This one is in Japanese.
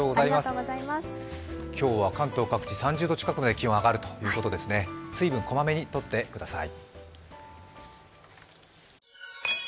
今日は関東各地、３０度近くまで気温が上がるということで、水分を小まめにとってください。